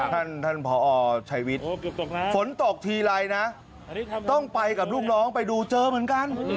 ท่านท่านพอชัยวิทย์ฝนตกทีไรนะต้องไปกับลูกน้องไปดูเจอเหมือนกัน